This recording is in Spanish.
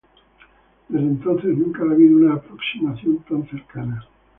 Desde entonces nunca ha habido una aproximación tan cercana.